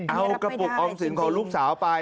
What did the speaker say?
เอากระปุกออมสินของลูกสาวไป